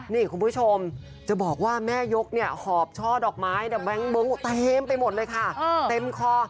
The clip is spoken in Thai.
นี่คุณผู้ชมจะบอกว่าแม่ยกหอบช่อดอกไม้เต็มไปหมดเลยค่ะเต็มคอ